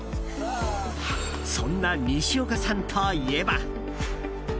そんな西岡さんといえば。